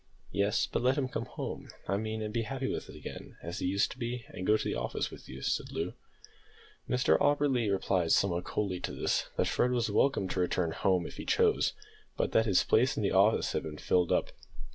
"Yes, but let him come home, I mean, and be happy with us again as he used to be, and go to the office with you," said Loo. Mr Auberly replied somewhat coldly to this that Fred was welcome to return home if he chose, but that his place in the office had been filled up.